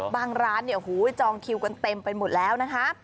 บางร้านจองคิวกันเต็มไปหมดแล้วนะคะ